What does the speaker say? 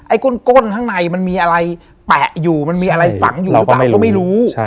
ก้นข้างในมันมีอะไรแปะอยู่มันมีอะไรฝังอยู่หรือเปล่าก็ไม่รู้